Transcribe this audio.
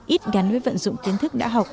ít gắn với vận dụng kiến thức đã học